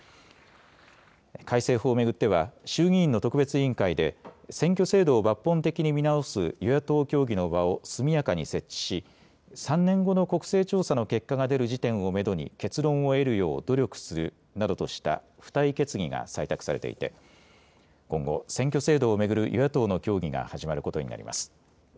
改正法を巡っては衆議院の特別委員会で、選挙制度を抜本的に見直す与野党協議の場を速やかに設置し、３年後の国勢調査の結果が出る時点をメドに結論を得るよう努力するなどとした付帯決議が採択されていて、今後、選挙制度を巡る与野党の協議が始まることになります。